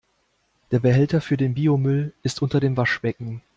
Der Behälter für den Biomüll ist unter dem Waschbecken.